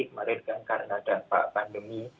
kemarin kan karena dampak pandemi